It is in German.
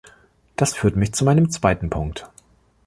Das führt mich zu meinem zweiten Punkt.